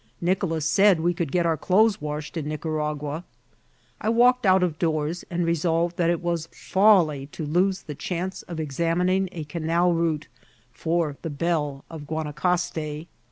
Nicolas said we eoold get oar dotlies washed in NicaragiMu I walked out of doon, and resdlyed that it was foil j to lose the chance of ex* •mmmg a canal route for the beUe of Gnanaeaste.